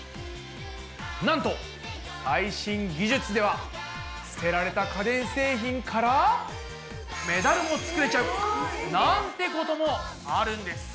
なんと最新技術では捨てられた家電製品からメダルもつくれちゃうなんてこともあるんです！